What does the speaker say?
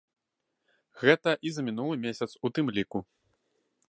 Гэта і за мінулы месяц у тым ліку.